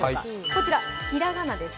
こちらひらがなです。